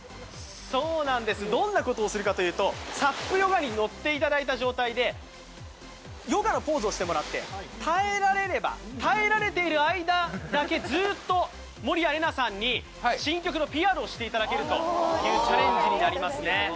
どんなことをするかというと、ＳＵＰヨガに乗っていただいた状態でヨガのポーズをしてもらって耐えられている間だけ、ずっと守屋麗奈さんに新曲のＰＲをしていただけるというチャレンジということになります。